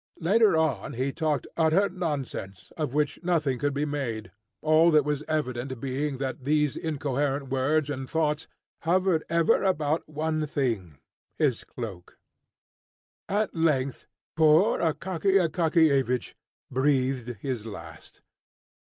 Later on he talked utter nonsense, of which nothing could be made, all that was evident being that these incoherent words and thoughts hovered ever about one thing, his cloak. At length poor Akaky Akakiyevich breathed his last.